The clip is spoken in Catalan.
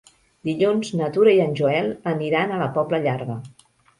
Dilluns na Tura i en Joel aniran a la Pobla Llarga.